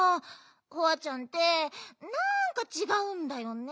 ホワちゃんってなんかちがうんだよね。